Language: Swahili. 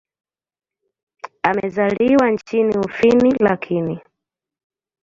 Amezaliwa nchini Ufini lakini.